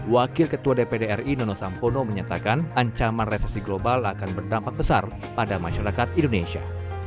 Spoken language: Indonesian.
wakil ketua dpd ri nono sampono menyatakan ancaman resesi global akan berdampak besar pada masyarakat indonesia